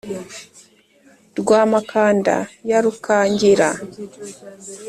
rwa makanda ya rukangira: